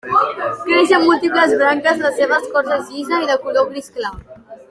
Creix amb múltiples branques, la seva escorça és llisa i de color gris clar.